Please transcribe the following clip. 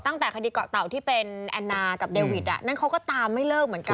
ตั้งแต่คดีเกาะเต่าที่เป็นแอนนากับเดวิทอ่ะนั่นเขาก็ตามไม่เลิกเหมือนกัน